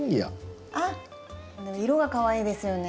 あっ色がかわいいですよね。